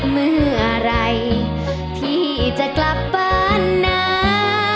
เมื่อไหร่ที่จะกลับบ้านนะ